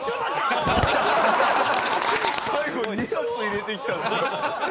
最後２発入れてきたんですよ。